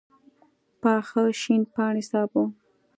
پاخه شین پاڼي سابه